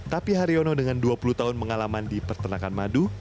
tapi haryono dengan dua puluh tahun pengalaman di peternakan madu